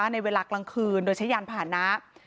ในเวลากลางคืนโดยใช้ยานผ่านนะ